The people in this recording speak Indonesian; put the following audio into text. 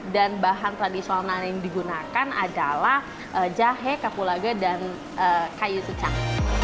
dan bahan tradisional yang digunakan adalah jahe kapulaga dan kayu secang